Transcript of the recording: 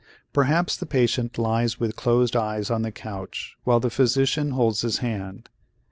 Perhaps the patient lies with closed eyes on the couch while the physician holds his hand.